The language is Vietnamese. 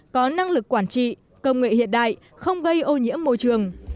có năng lực quản trị công nghệ hiện đại không gây ô nhiễm môi trường